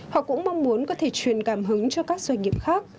họ cũng mong muốn có thể truyền cảm hứng cho các doanh nghiệp khác